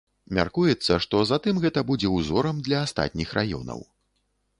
Мяркуецца, што затым гэта будзе ўзорам для астатніх раёнаў.